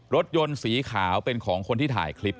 รถยนต์สีขาวเป็นของคนที่ถ่ายคลิป